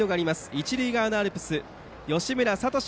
一塁側アルプス義村聡志